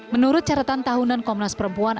menurut caratan tahunan komnas perempuan